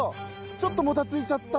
ちょっともたついちゃった。